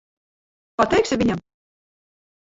Pateiksi viņam?